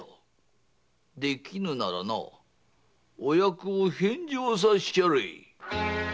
できぬならお役を返上しなされ。